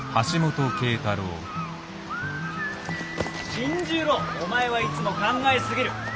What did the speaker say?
新十郎お前はいつも考えすぎる。